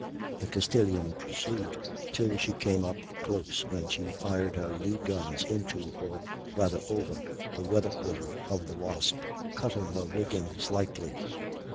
The Castilian pursued till she came up close, when she fired her lee guns into, or rather over, the weather quarter of the Wasp, cutting her rigging slightly.